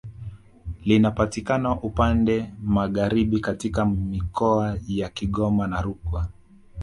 Linapatikana upande Magharibi katika mikoa ya Kigoma na Rukwa